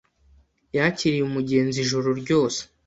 Yakiriye umugenzi ijoro ryose.